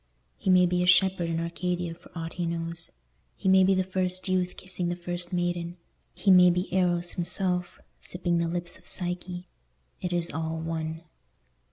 He may be a shepherd in Arcadia for aught he knows, he may be the first youth kissing the first maiden, he may be Eros himself, sipping the lips of Psyche—it is all one.